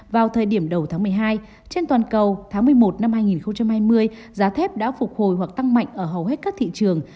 vào thời điểm đầu tháng một mươi hai trên toàn cầu tháng một mươi một năm hai nghìn hai mươi giá thép đã phục hồi hoặc tăng mạnh ở hầu hết các thị trường